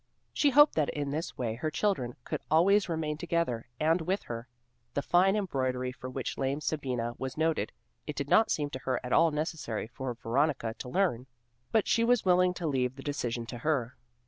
She hoped that in this way her children could always remain together and with her. The fine embroidery for which lame Sabina was noted, it did not seem to her at all necessary for Veronica to learn, but she was willing to leave the decision to her.